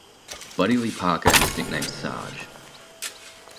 Buddy Lee Parker and his nickname Sarge.